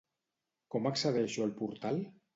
Com accedeixo al portal?